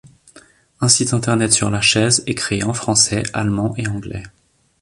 Un site Internet sur la Chaise est créé en français, allemand et anglais.